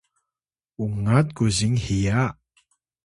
ungat kuzing hiya